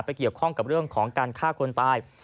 เกี่ยวข้องกับเรื่องของการฆ่าคนตาย